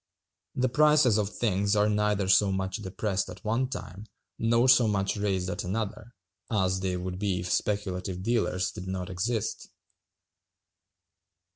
The prices of things are neither so much depressed at one time, nor so much raised at another, as they would be if speculative dealers did not exist.